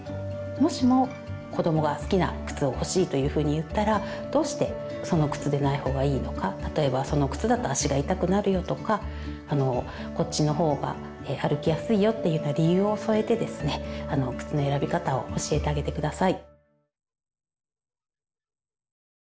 もしも子どもが好きな靴を欲しいというふうに言ったらどうしてその靴でない方がいいのか例えばその靴だと足が痛くなるよとかこっちの方が歩きやすいよっていうような理由を添えてですね靴の選び方を教えてあげて下さい。